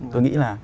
tôi nghĩ là